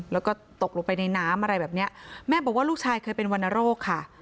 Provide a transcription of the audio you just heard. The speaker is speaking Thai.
แล้วก็ตกลงไปในน้ำอะไรแบบเนี้ยแม่บอกว่าลูกชายเคยเป็นวรรณโรคค่ะ